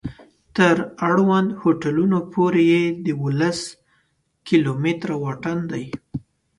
تر اړوندو هوټلونو پورې یې دولس کلومتره واټن دی.